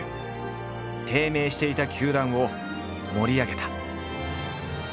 低迷していた球団を盛り上げた。